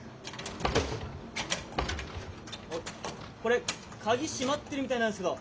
これカギ閉まってるみたいなんですけど。